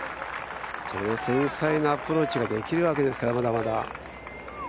この繊細なアプローチができるわけですから、まだまだ。